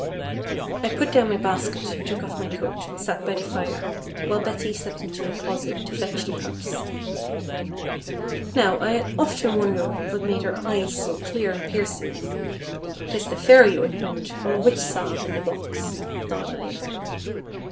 I put down my basket, and took off my coat, and sat by the fire; while Betty stepped into a closet to fetch the cups. Now, I had often wondered what made her eyes so clear and piercing. "'Tis the Fairy ointment, or Witch salve in the box," thought I.